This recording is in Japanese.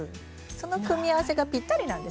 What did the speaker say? その組み合わせがぴったりなんですよ。